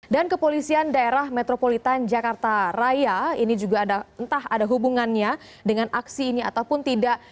dan kepolisian daerah metropolitan jakarta raya ini juga entah ada hubungannya dengan aksi ini ataupun tidak